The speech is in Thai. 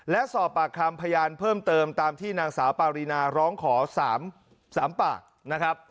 และสอบปากคำพยานเพิ่มเติมตามที่นางสาวปารีนาร้องขอ๓ปากนะครับ